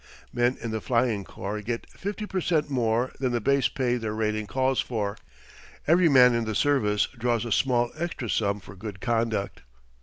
Men in the Flying Corps get 50 per cent more than the base pay their rating calls for. Every man in the service draws a small extra sum for good conduct.